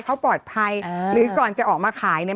เขาปลอดภัยหรือก่อนจะออกมาขายเนี่ย